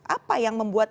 apa yang membuat